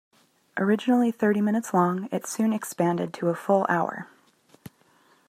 Originally thirty minutes long, it soon expanded to a full hour.